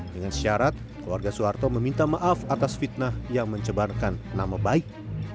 dengan syarat keluarga soeharto meminta maaf atas fitnah yang mencebarkan nama baik